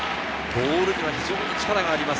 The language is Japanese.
ボールには非常に力があります。